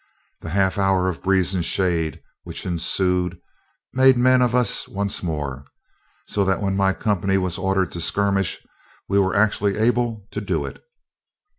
The half hour of breeze and shade which ensued made men of us once more, so that when my company was ordered to skirmish we were actually able to do it.